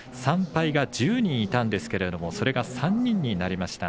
３敗が１０人いたんですが３人になりました。